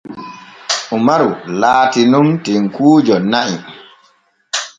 Umaru laati nun tenkuujo na'i.